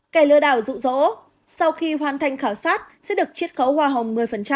kẻ lừa đảo dụ dỗ sau khi hoàn thành khảo sát sẽ được triết khấu hoa hồng một mươi